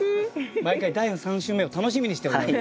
毎回第３週目を楽しみにしております。